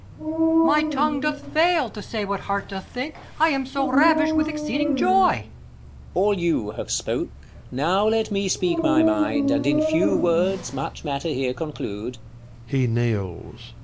/Vr.FMy tongue doth fail, to say what heart doth think J I am so ravish'd with exceeding joy. 246 King. All you have spoke : now let me speak my mind, And in few words much matter here conclude : [He kneels.